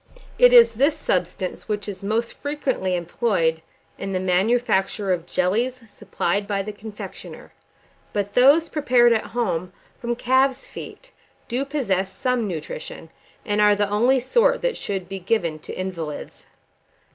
It is this substance which is most frequently employed in the manufacture of the jellies supplied by the confectioner; but those prepared at home from calves' feet do possess some nutrition, and are the only sort that should be given to invalids.